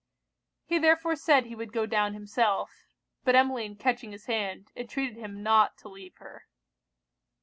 He therefore said he would go down himself; but Emmeline catching his hand, entreated him not to leave her.